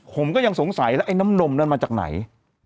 ผมก็ยังสงสัยล่ะนะไอน้ำนมเนี่ยมาจากไหน